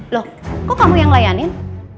loh kok kamu yang layanin